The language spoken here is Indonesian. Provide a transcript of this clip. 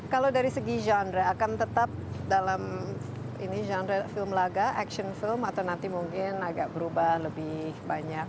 kalau dari segi genre akan tetap dalam ini genre film laga action film atau nanti mungkin agak berubah lebih banyak